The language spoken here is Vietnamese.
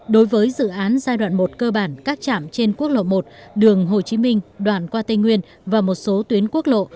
đối với dự án giai đoạn một cơ bản các trạm trên quốc lộ một đường hồ chí minh đoạn qua tây nguyên và một số tuyến quốc lộ